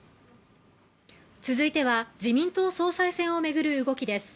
続いては自民党総裁選をめぐる動きです